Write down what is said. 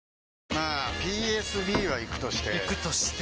まあＰＳＢはイクとしてイクとして？